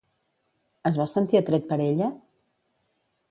Es va sentir atret per ella?